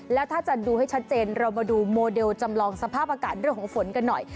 แล้วถ้าจะดูให้ชัดเจนเรามาดูโมเดลจำลองสภาพอากาศเรื่องของฝนกันหน่อย